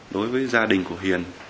đối với gia đình của hiền